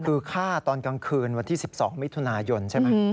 คือฆ่าตอนกลางคืนวันที่๑๒มิถุนายนใช่ไหม